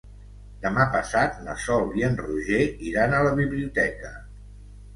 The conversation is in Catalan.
Demà passat na Sol i en Roger iran a la biblioteca.